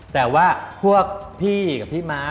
แต่ว่าพวกพี่กับพี่ม้า